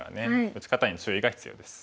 打ち方に注意が必要です。